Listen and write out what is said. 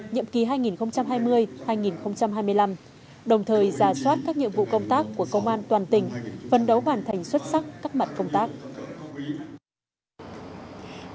nhiệm kỳ hai nghìn hai mươi hai nghìn hai mươi năm đồng thời giả soát các nhiệm vụ công tác của công an toàn tỉnh phân đấu hoàn thành xuất sắc các mặt công tác